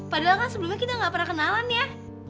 padahal kan sebelumnya kita nggak pernah kenalan ya